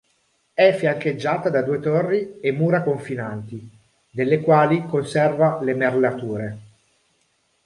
È fiancheggiata da due torri e mura confinati, delle quali conserva le merlature.